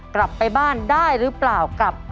กลับไปบ้านได้หรือเปล่ากับ